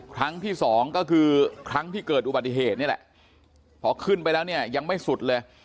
ครั้งที่สองก็คือครั้งที่เกิดอุบัติเหตุนี่แหละพอขึ้นไปแล้วเนี่ยยังไม่สุดเลย